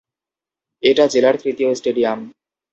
এটা জেলার তৃতীয় স্টেডিয়াম।